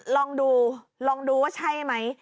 ลองดูลองดูว่าใช่ไหม